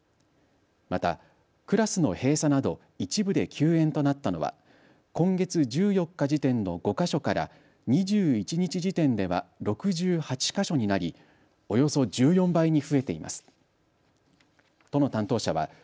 またクラスの閉鎖など一部で休園となったのは今月１４日時点の５か所から２１日時点では６８か所になりおよそ１４倍に増えています。